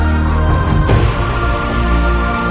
yang ini avangara estinya